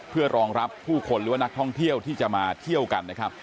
เพื่อรองรับผู้คนหรือว่านักท่องเที่ยวที่จะมาเที่ยวกันนะครับ